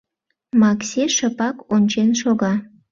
Макси шыпак ончен шога.